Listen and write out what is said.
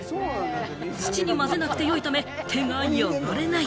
土に混ぜなくて良いため、手が汚れない。